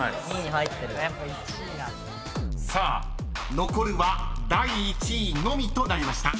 ［さあ残るは第１位のみとなりました］